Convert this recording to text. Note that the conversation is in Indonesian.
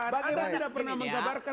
anda tidak pernah menggabarkan